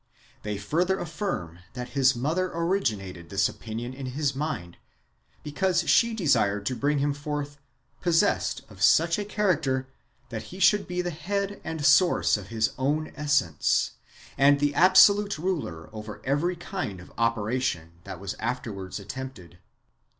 They further affirm that his mother originated this opinion in his mind, because she desired to bring him forth possessed of such a character that he should be the head and source of his own essence, and the absolute ruler over every kind of operation [that was afterwards attempted].